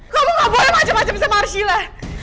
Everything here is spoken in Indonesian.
kamu gak boleh macem macem sama arshila